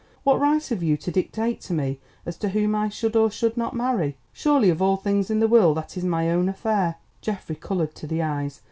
What right have you to dictate to me as to whom I should or should not marry? Surely of all things in the world that is my own affair." Geoffrey coloured to the eyes.